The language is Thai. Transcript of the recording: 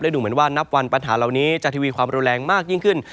ดูเหมือนว่านับวันปัญหาเหล่านี้จะทีวีความรุนแรงมากยิ่งขึ้น